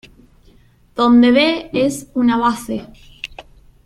Donde B es una base.